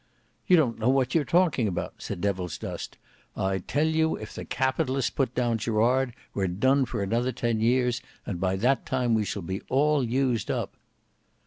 "You don't know what you are talking about," said Devilsdust. "I tell you, if the Capitalists put down Gerard we're done for another ten years, and by that time we shall be all used up."